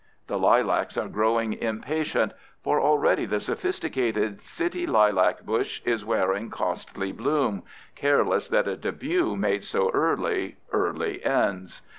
The lilacs are growing impatient, for already the sophisticated city lilac bush is wearing costly bloom, careless that a debut made so early early ends.